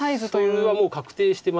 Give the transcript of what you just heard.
それはもう確定してます。